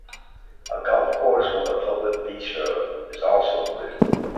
A golf course with a public bistro is also included.